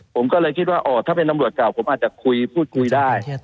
ผมก็เลยคิดว่าถ้าเป็นตำรวจเก่าผมอาจจะคุยพูดคุยได้